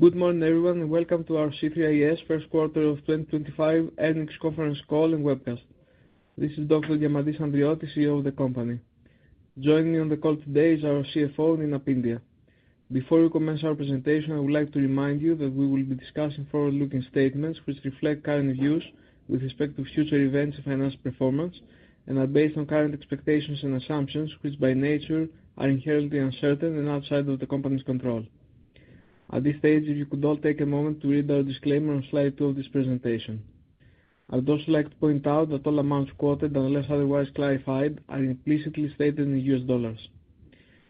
Good morning, everyone, and welcome to our C3is first quarter of 2025 earnings conference call and webcast. This is Dr. Diamantis Andriotis, CEO of the company. Joining me on the call today is our CFO, Nina Pyndiah. Before we commence our presentation, I would like to remind you that we will be discussing forward-looking statements which reflect current views with respect to future events and financial performance, and are based on current expectations and assumptions which, by nature, are inherently uncertain and outside of the company's control. At this stage, if you could all take a moment to read our disclaimer on slide two of this presentation. I would also like to point out that all amounts quoted, unless otherwise clarified, are implicitly stated in U.S. dollars.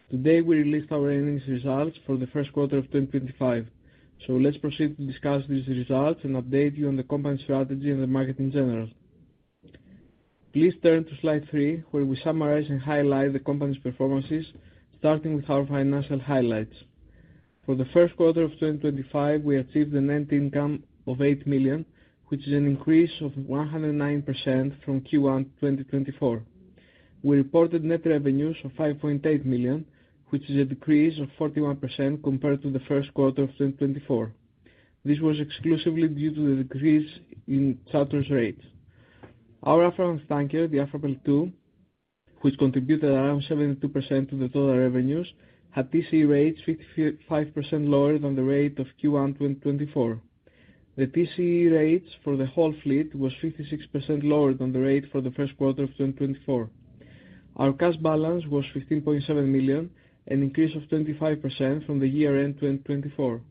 Today, we released our earnings results for the first quarter of 2025, so let's proceed to discuss these results and update you on the company's strategy and the market in general. Please turn to slide three, where we summarize and highlight the company's performances, starting with our financial highlights. For the first quarter of 2025, we achieved a net income of $8 million, which is an increase of 109% from Q1 2024. We reported net revenues of $5.8 million, which is a decrease of 41% compared to the first quarter of 2024. This was exclusively due to the decrease in charter rates. Our [Aframax tanker], the Afrapearl II, which contributed around 72% to the total revenues, had TCE rates 55% lower than the rate of Q1 2024. The TCE rates for the whole fleet were 56% lower than the rate for the first quarter of 2024. Our cash balance was $15.7 million, an increase of 25% from the year-end 2024.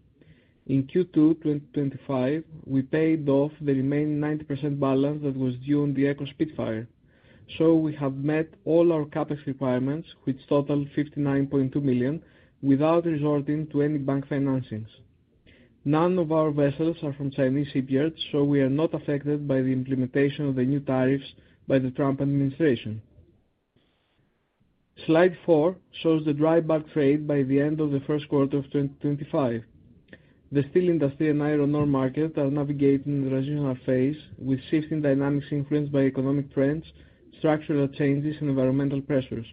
In Q2 2025, we paid off the remaining 90% balance that was due on the Eco Spitfire, so we have met all our CapEx requirements, which total $59.2 million, without resorting to any bank financings. None of our vessels are from Chinese shipyards, so we are not affected by the implementation of the new tariffs by the Trump administration. Slide four shows the dry bulk trade by the end of the first quarter of 2025. The steel industry and iron ore market are navigating the transitional phase, with shifting dynamics influenced by economic trends, structural changes, and environmental pressures.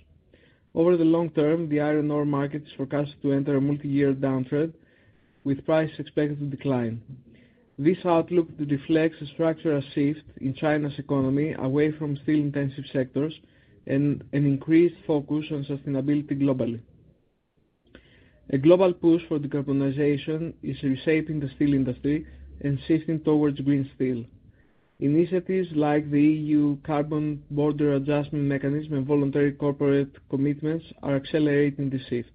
Over the long term, the iron ore market is forecast to enter a multi-year downtrend, with prices expected to decline. This outlook reflects a structural shift in China's economy away from steel-intensive sectors and an increased focus on sustainability globally. A global push for decarbonization is reshaping the steel industry and shifting towards green steel. Initiatives like the E.U. Carbon Border Adjustment Mechanism and voluntary corporate commitments are accelerating this shift.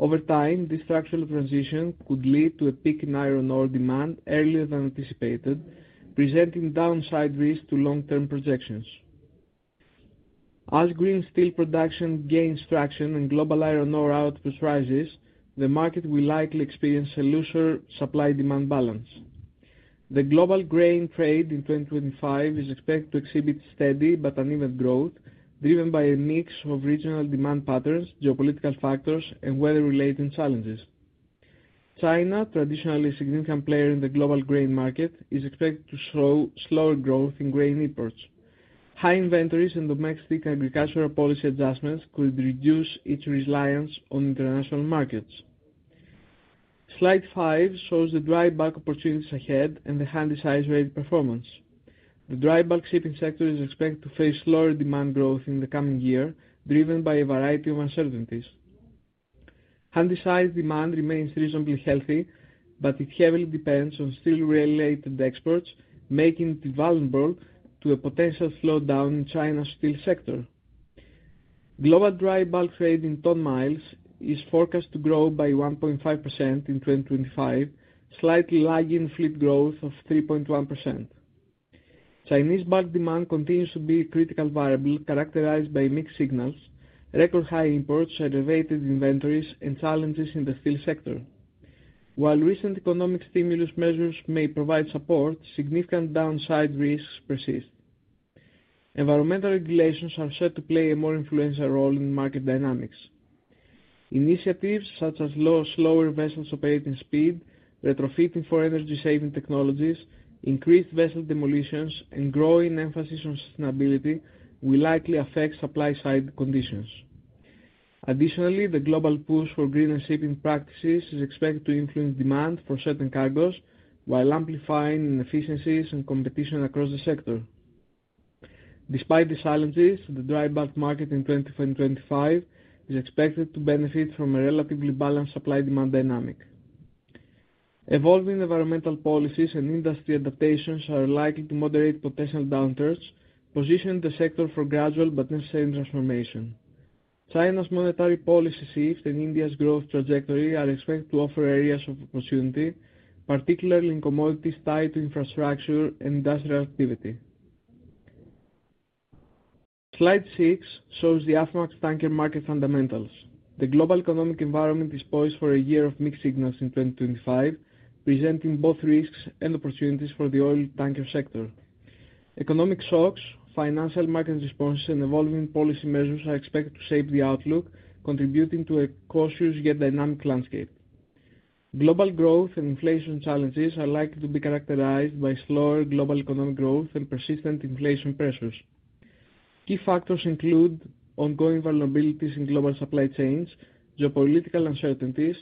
Over time, this structural transition could lead to a peak in iron ore demand earlier than anticipated, presenting downside risk to long-term projections. As green steel production gains traction and global iron ore output rises, the market will likely experience a looser supply-demand balance. The global grain trade in 2025 is expected to exhibit steady but uneven growth, driven by a mix of regional demand patterns, geopolitical factors, and weather-related challenges. China, traditionally a significant player in the global grain market, is expected to show slower growth in grain imports. High inventories and domestic agricultural policy adjustments could reduce its reliance on international markets. Slide five shows the dry bulk opportunities ahead and the handy-sized rate performance. The dry bulk shipping sector is expected to face slower demand growth in the coming year, driven by a variety of uncertainties. Handy-sized demand remains reasonably healthy, but it heavily depends on steel-related exports, making it vulnerable to a potential slowdown in China's steel sector. Global dry bulk trade in ton-miles is forecast to grow by 1.5% in 2025, slightly lagging fleet growth of 3.1%. Chinese bulk demand continues to be a critical variable characterized by mixed signals, record-high imports, elevated inventories, and challenges in the steel sector. While recent economic stimulus measures may provide support, significant downside risks persist. Environmental regulations are set to play a more influential role in market dynamics. Initiatives such as lower vessels operating speed, retrofitting for energy-saving technologies, increased vessel demolitions, and growing emphasis on sustainability will likely affect supply-side conditions. Additionally, the global push for greener shipping practices is expected to influence demand for certain cargoes, while amplifying inefficiencies and competition across the sector. Despite these challenges, the dry bulk market in 2025 is expected to benefit from a relatively balanced supply-demand dynamic. Evolving environmental policies and industry adaptations are likely to moderate potential downturns, positioning the sector for gradual but necessary transformation. China's monetary policy shift and India's growth trajectory are expected to offer areas of opportunity, particularly in commodities tied to infrastructure and industrial activity. Slide six shows the upfront tanker market fundamentals. The global economic environment is poised for a year of mixed signals in 2025, presenting both risks and opportunities for the oil tanker sector. Economic shocks, financial market responses, and evolving policy measures are expected to shape the outlook, contributing to a cautious yet dynamic landscape. Global growth and inflation challenges are likely to be characterized by slower global economic growth and persistent inflation pressures. Key factors include ongoing vulnerabilities in global supply chains, geopolitical uncertainties,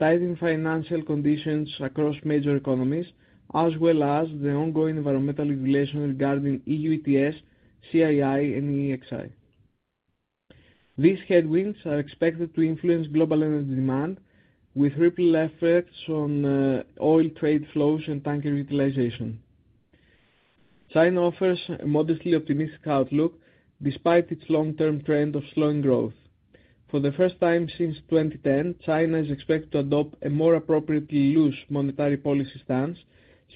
tightening financial conditions across major economies, as well as the ongoing environmental regulation regarding EU ETS, CII, and EEXI. These headwinds are expected to influence global energy demand, with ripple effects on oil trade flows and tanker utilization. China offers a modestly optimistic outlook despite its long-term trend of slowing growth. For the first time since 2010, China is expected to adopt a more appropriately loose monetary policy stance,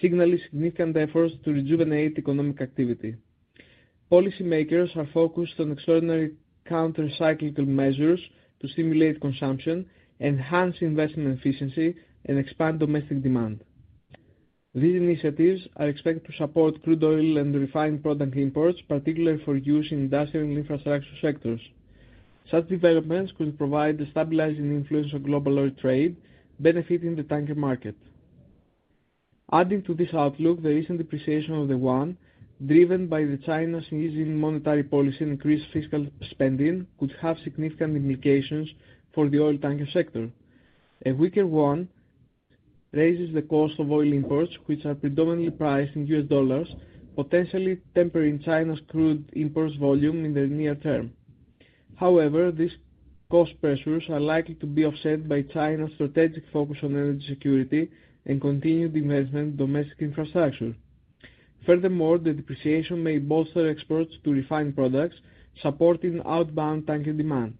signaling significant efforts to rejuvenate economic activity. Policymakers are focused on extraordinary countercyclical measures to stimulate consumption, enhance investment efficiency, and expand domestic demand. These initiatives are expected to support crude oil and refined product imports, particularly for use in industrial and infrastructure sectors. Such developments could provide a stabilizing influence on global oil trade, benefiting the tanker market. Adding to this outlook, the recent depreciation of the yuan, driven by China's easing monetary policy and increased fiscal spending, could have significant implications for the oil tanker sector. A weaker yuan raises the cost of oil imports, which are predominantly priced in U.S. dollars, potentially tempering China's crude imports volume in the near term. However, these cost pressures are likely to be offset by China's strategic focus on energy security and continued investment in domestic infrastructure. Furthermore, the depreciation may bolster exports to refined products, supporting outbound tanker demand.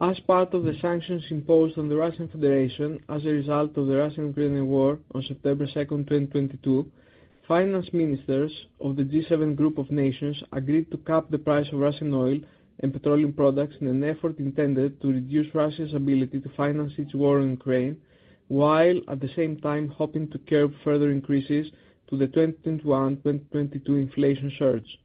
As part of the sanctions imposed on the Russian Federation as a result of the Russian-Ukrainian war on September 2nd, 2022, finance ministers of the G7 group of nations agreed to cut the price of Russian oil and petroleum products in an effort intended to reduce Russia's ability to finance its war in Ukraine, while at the same time hoping to curb further increases to the 2021-2022 inflation surge.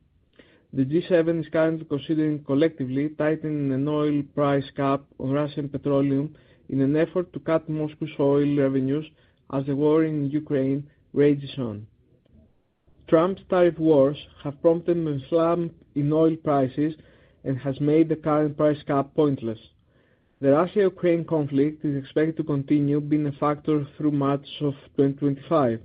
The G7 is currently considering collectively tightening the oil price cap on Russian petroleum in an effort to cut Moscow's oil revenues as the war in Ukraine rages on. Trump's tariff wars have prompted a slump in oil prices and have made the current price cap pointless. The Russia-Ukraine conflict is expected to continue being a factor through March of 2025.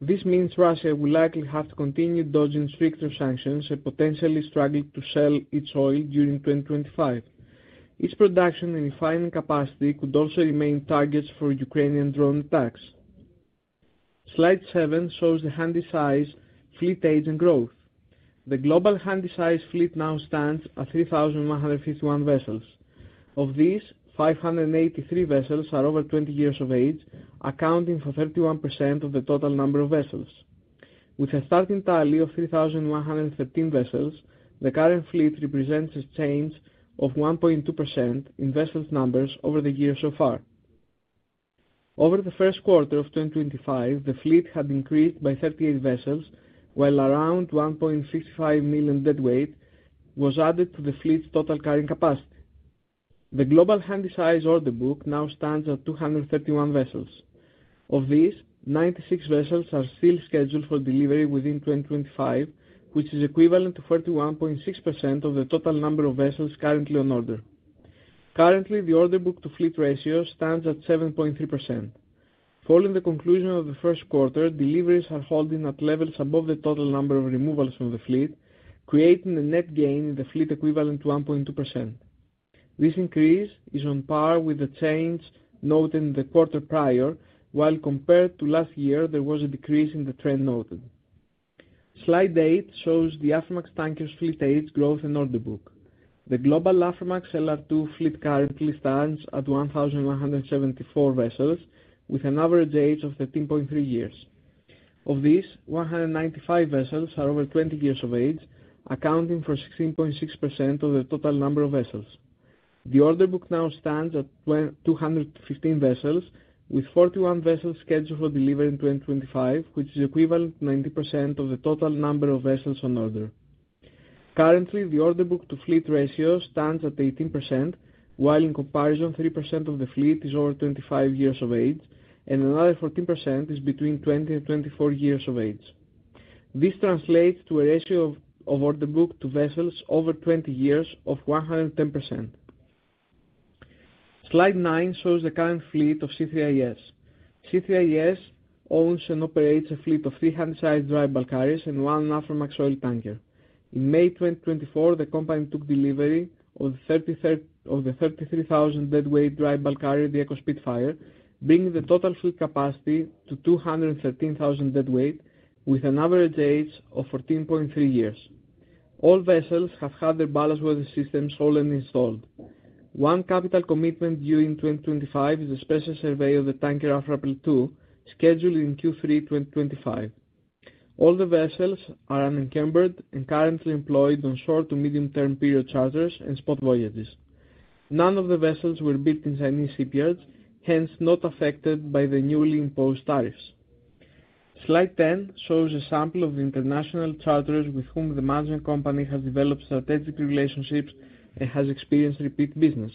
This means Russia will likely have to continue dodging stricter sanctions and potentially struggle to sell its oil during 2025. Its production and refining capacity could also remain targets for Ukrainian drone attacks. Slide seven shows the handy-sized fleet age and growth. The global handy-sized fleet now stands at 3,151 vessels. Of these, 583 vessels are over 20 years of age, accounting for 31% of the total number of vessels. With a starting tally of 3,113 vessels, the current fleet represents a change of 1.2% in vessel numbers over the years so far. Over the first quarter of 2025, the fleet had increased by 38 vessels, while around 1.65 million dead weight was added to the fleet's total carrying capacity. The global handy-sized order book now stands at 231 vessels. Of these, 96 vessels are still scheduled for delivery within 2025, which is equivalent to 31.6% of the total number of vessels currently on order. Currently, the order book to fleet ratio stands at 7.3%. Following the conclusion of the first quarter, deliveries are holding at levels above the total number of removals from the fleet, creating a net gain in the fleet equivalent to 1.2%. This increase is on par with the change noted in the quarter prior, while compared to last year, there was a decrease in the trend noted. Slide eight shows the Aframax tanker's fleet age growth and order book. The global Aframax/LR2 fleet currently stands at 1,174 vessels, with an average age of 13.3 years. Of these, 195 vessels are over 20 years of age, accounting for 16.6% of the total number of vessels. The order book now stands at 215 vessels, with 41 vessels scheduled for delivery in 2025, which is equivalent to 19% of the total number of vessels on order. Currently, the order book to fleet ratio stands at 18%, while in comparison, 3% of the fleet is over 25 years of age, and another 14% is between 20 and 24 years of age. This translates to a ratio of order book to vessels over 20 years of 110%. Slide nine shows the current fleet of C3is. C3is owns and operates a fleet of three handy-sized dry bulk carriers and one Aframax oil tanker. In May 2024, the company took delivery of the 33,000 dead weight dry bulk carrier, the Eco Spitfire, bringing the total fleet capacity to 213,000 dead weight, with an average age of 14.3 years. All vessels have had their ballast water systems hauled and installed. One capital commitment due in 2025 is a special survey of the tanker Afrapearl II, scheduled in Q3 2025. All the vessels are unencumbered and currently employed on short to medium-term period charters and spot voyages. None of the vessels were bid in Chinese shipyards, hence not affected by the newly imposed tariffs. Slide 10 shows a sample of the international charters with whom the management company has developed strategic relationships and has experienced repeat business.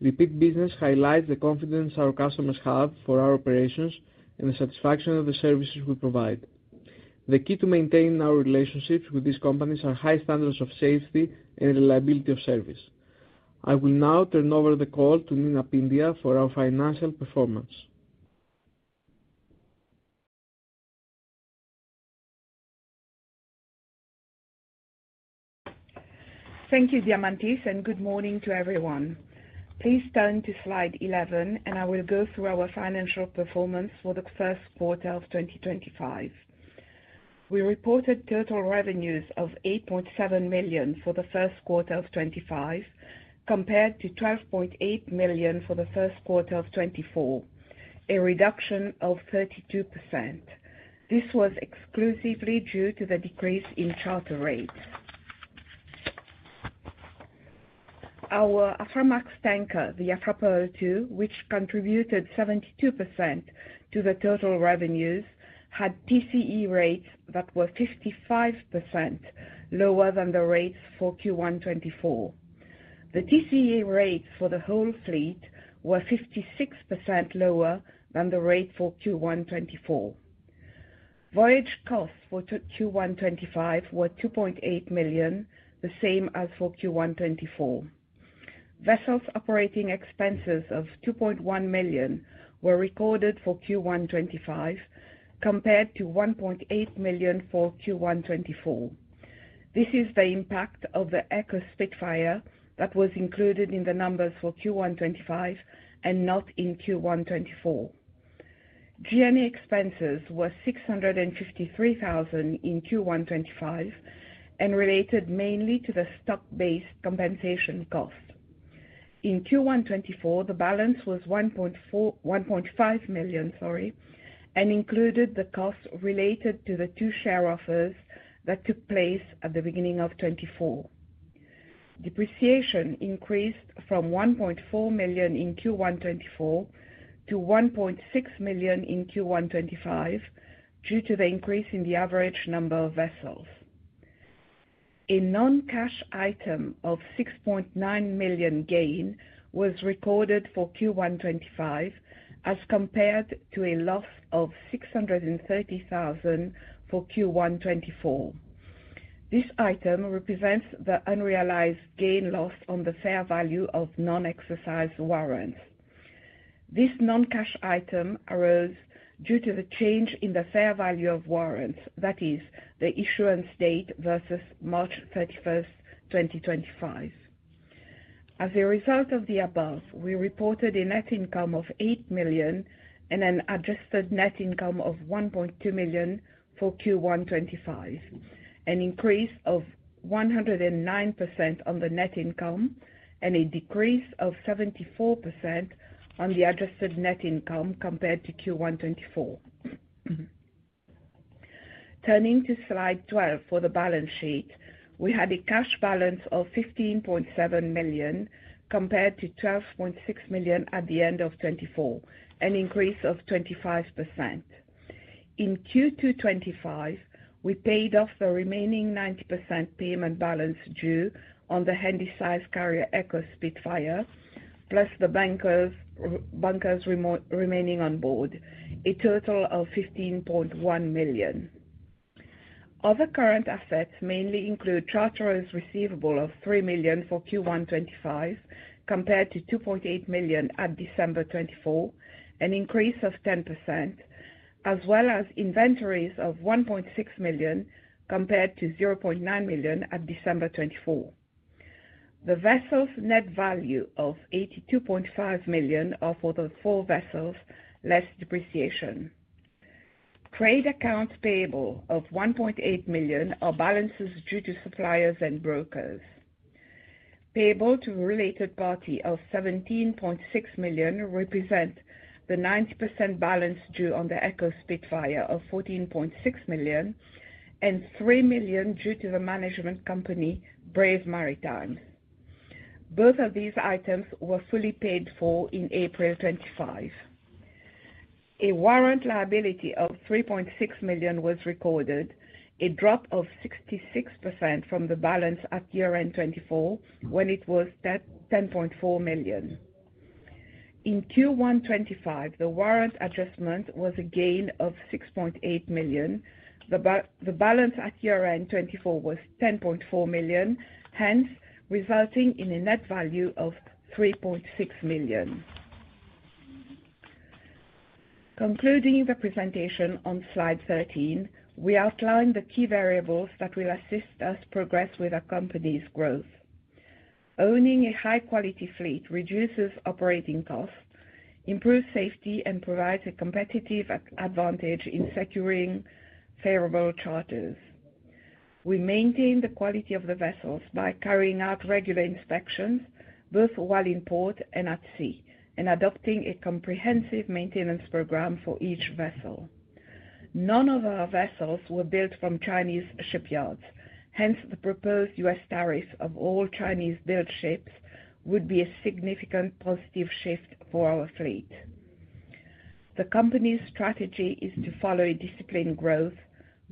Repeat business highlights the confidence our customers have for our operations and the satisfaction of the services we provide. The key to maintaining our relationships with these companies are high standards of safety and reliability of service. I will now turn over the call to Nina Pyndiah for our financial performance. Thank you, Diamantis, and good morning to everyone. Please turn to slide 11, and I will go through our financial performance for the first quarter of 2025. We reported total revenues of $8.7 million for the first quarter of 2025, compared to $12.8 million for the first quarter of 2024, a reduction of 32%. This was exclusively due to the decrease in charter rates. Our Aframax tanker Afrapearl II, which contributed 72% to the total revenues, had TCE rates that were 55% lower than the rates for Q1 2024. The TCE rates for the whole fleet were 56% lower than the rate for Q1 2024. Voyage costs for Q1 2025 were $2.8 million, the same as for Q1 2024. Vessels operating expenses of $2.1 million were recorded for Q1 2025, compared to $1.8 million for Q1 2024. This is the impact of the Eco Spitfire that was included in the numbers for Q1 2025 and not in Q1 2024. G&A expenses were $653,000 in Q1 2025 and related mainly to the stock-based compensation cost. In Q1 2024, the balance was $1.5 million, sorry, and included the costs related to the two share offers that took place at the beginning of 2024. Depreciation increased from $1.4 million in Q1 2024 to $1.6 million in Q1 2025 due to the increase in the average number of vessels. A non-cash item of $6.9 million gain was recorded for Q1 2025 as compared to a loss of $630,000 for Q1 2024. This item represents the unrealized gain-loss on the fair value of non-exercised warrants. This non-cash item arose due to the change in the fair value of warrants, that is, the issuance date versus March 31st, 2025. As a result of the above, we reported a net income of $8 million and an adjusted net income of $1.2 million for Q1 2025, an increase of 109% on the net income and a decrease of 74% on the adjusted net income compared to Q1 2024. Turning to slide 12 for the balance sheet, we had a cash balance of $15.7 million compared to $12.6 million at the end of 2024, an increase of 25%. In Q2 2025, we paid off the remaining 90% payment balance due on the handy-sized carrier Eco Spitfire, plus the bankers remaining on board, a total of $15.1 million. Other current assets mainly include charterers' receivable of $3 million for Q1 2025 compared to $2.8 million at December 2024, an increase of 10%, as well as inventories of $1.6 million compared to $0.9 million at December 2024. The vessels' net value of $82.5 million of other four vessels less depreciation. Trade accounts payable of $1.8 million are balances due to suppliers and brokers. Payable to related party of $17.6 million represent the 90% balance due on the Eco Spitfire of $14.6 million and $3 million due to the management company, Brave Maritime. Both of these items were fully paid for in April 2025. A warrant liability of $3.6 million was recorded, a drop of 66% from the balance at year-end 2024 when it was $10.4 million. In Q1 2025, the warrant adjustment was a gain of $6.8 million. The balance at year-end 2024 was $10.4 million, hence resulting in a net value of $3.6 million. Concluding the presentation on slide 13, we outlined the key variables that will assist us progress with our company's growth. Owning a high-quality fleet reduces operating costs, improves safety, and provides a competitive advantage in securing favorable charters. We maintain the quality of the vessels by carrying out regular inspections both while in port and at sea and adopting a comprehensive maintenance program for each vessel. None of our vessels were built from Chinese shipyards, hence the proposed U.S. tariffs of all Chinese-built ships would be a significant positive shift for our fleet. The company's strategy is to follow a disciplined growth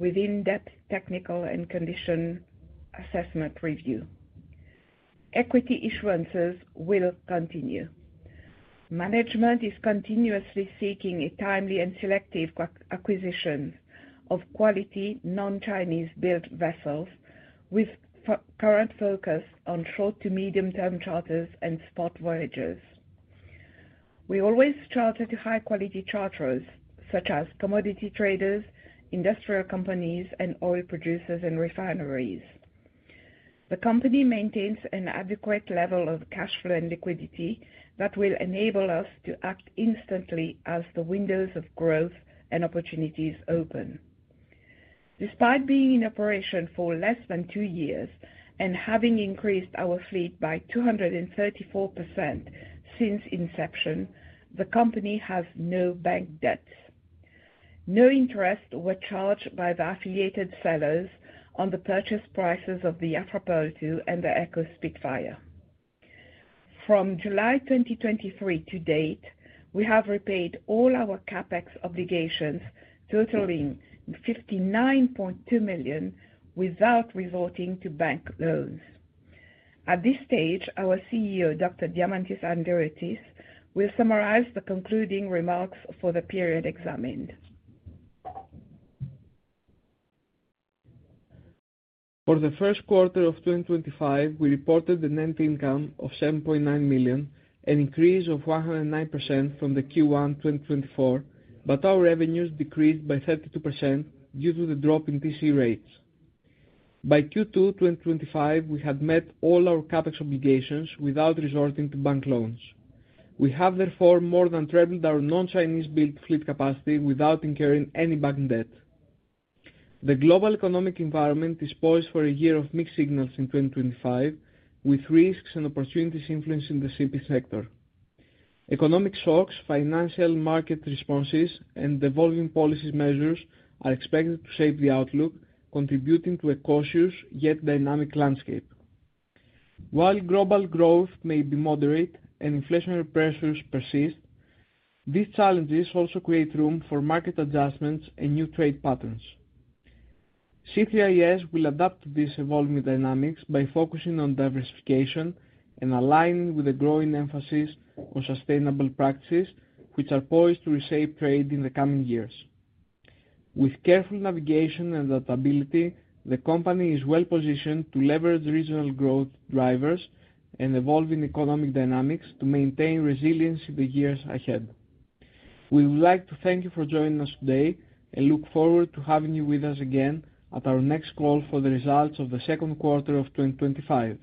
with in-depth technical and condition assessment review. Equity issuances will continue. Management is continuously seeking a timely and selective acquisition of quality non-Chinese-built vessels with current focus on short to medium-term charters and spot voyages. We always charter to high-quality charterers such as commodity traders, industrial companies, and oil producers and refineries. The company maintains an adequate level of cash flow and liquidity that will enable us to act instantly as the windows of growth and opportunities open. Despite being in operation for less than two years and having increased our fleet by 234% since inception, the company has no bank debts. No interest was charged by the affiliated sellers on the purchase prices of the Afrapearl II and the Eco Spitfire. From July 2023 to date, we have repaid all our CapEx obligations totaling $59.2 million without resorting to bank loans. At this stage, our CEO, Dr. Diamantis Andriotis, will summarize the concluding remarks for the period examined. For the first quarter of 2025, we reported the net income of $7.9 million, an increase of 109% from the Q1 2024, but our revenues decreased by 32% due to the drop in TCE rates. By Q2 2025, we had met all our CapEx obligations without resorting to bank loans. We have therefore more than treaded our non-Chinese-built fleet capacity without incurring any bank debt. The global economic environment is poised for a year of mixed signals in 2025, with risks and opportunities influencing the CP sector. Economic shocks, financial market responses, and evolving policy measures are expected to shape the outlook, contributing to a cautious yet dynamic landscape. While global growth may be moderate and inflationary pressures persist, these challenges also create room for market adjustments and new trade patterns. C3is will adapt to these evolving dynamics by focusing on diversification and aligning with the growing emphasis on sustainable practices, which are poised to reshape trade in the coming years. With careful navigation and adaptability, the company is well-positioned to leverage regional growth drivers and evolving economic dynamics to maintain resilience in the years ahead. We would like to thank you for joining us today and look forward to having you with us again at our next call for the results of the second quarter of 2025.